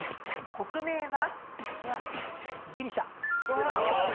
国名は？